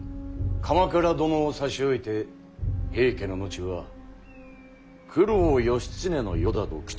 鎌倉殿を差し置いて平家の後は九郎義経の世だと口にする者も。